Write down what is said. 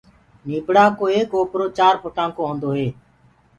نيٚڀڙآ ڪو ايڪ اوپرو چآر ڦٽآ ڪو هونٚدو هي